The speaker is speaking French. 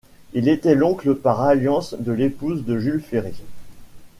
Il était l’oncle par alliance de l'épouse de Jules Ferry.